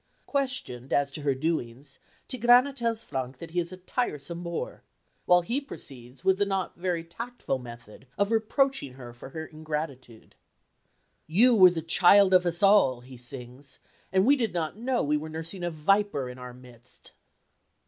Questioned as to her doings, Tigrana tells Frank that he is a tiresome bore, while he proceeds with the not very tactful method of reproaching her for her ingratitude. "You were the child of us all," he sings, "and we did not know we were nursing a viper in our midst."